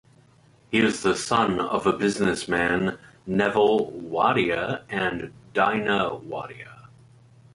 He is the son of businessman Neville Wadia and Dina Wadia.